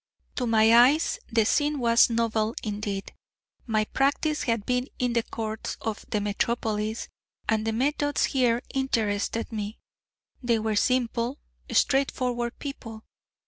To my eyes, the scene was novel indeed. My practice had been in the courts of the metropolis, and the methods here interested me. They were simple, straight forward people.